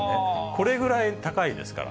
これぐらい高いですから。